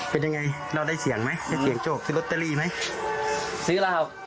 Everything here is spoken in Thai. เป็นยังไงเราได้เสียงไหมได้เสียงโชคซื้อลอตเตอรี่ไหมซื้อแล้วครับ